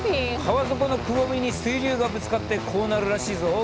川底のくぼみに水流がぶつかってこうなるらしいぞ。